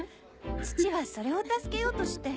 父はそれを助けようとして。